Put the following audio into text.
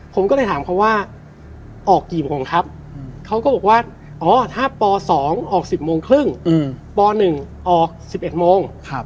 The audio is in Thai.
ผมก็เลยถามเขาว่าออกกี่โมงครับเขาก็บอกว่าอ๋อถ้าป๒ออก๑๐โมงครึ่งป๑ออก๑๑โมง